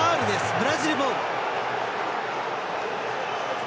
ブラジルボール。